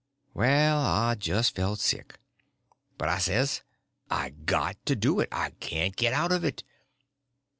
Well, I just felt sick. But I says, I got to do it—I can't get out of it.